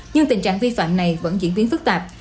nhưng tình trạng vi phạm này vẫn diễn biến phức tạp